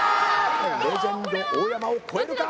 レジェンド大山を超えるか？